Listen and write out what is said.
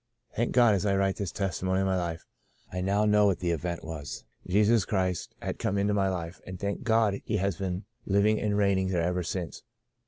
Thank God, as I write this testimony of my life, I now know what the event was — Jesus Christ had come into my life, and thank God He has been living and reigning there ever since.